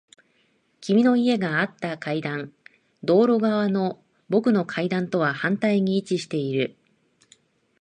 君の家があった階段。道路側の僕の階段とは反対に位置している。